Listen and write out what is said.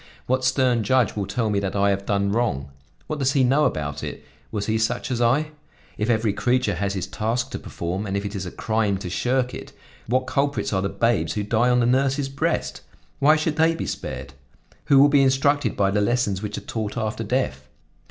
What stern judge will tell me that I have done wrong? What does he know about it? Was he such as I? If every creature has his task to perform and if it is a crime to shirk it, what culprits are the babes who die on the nurse's breast! Why should they be spared? Who will be instructed by the lessons which are taught after death?